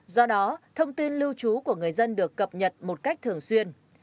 do đó thông tin lưu trú của người dân được cập nhật một cách thường xuyên